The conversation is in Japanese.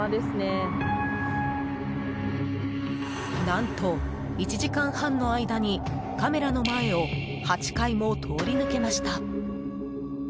何と、１時間半の間にカメラの前を８回も通り抜けました。